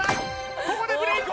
ここでブレイク